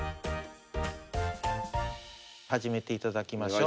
始めていただきましょう。